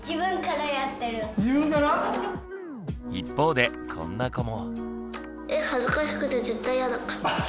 一方でこんな子も。